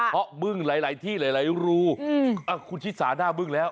เพราะบึ้งหลายที่หลายรูคุณชิสาหน้าบึ้งแล้ว